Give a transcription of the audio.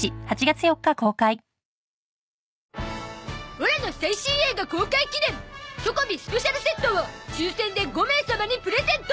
オラの最新映画公開記念チョコビスペシャルセットを抽選で５名様にプレゼント！